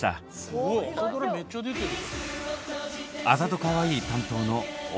すごい朝ドラめっちゃ出てる。